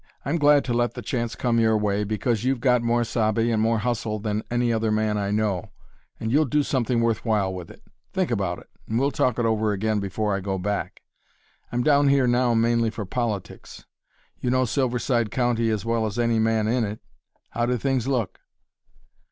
"I'm glad to let the chance come your way, because you've got more sabe and more hustle than any other man I know, and you'll do something worth while with it. Think about it, and we'll talk it over again before I go back. I'm down here now mainly for politics. You know Silverside County as well as any man in it how do things look?"